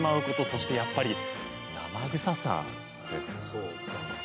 そしてやっぱり生臭さです。